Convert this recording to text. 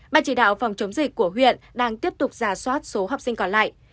ban chỉ đạo phòng chống dịch của huyện đang tiếp tục giả soát số học sinh còn lại